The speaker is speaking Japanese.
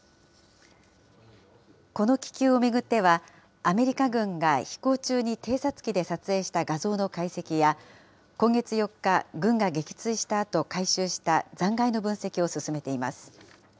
この気球を巡っては、アメリカ軍が飛行中に偵察機で撮影した画像の解析や、今月４日、軍が撃墜したあと、回収した残骸の分析を進めています。